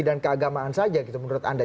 dan keagamaan saja menurut anda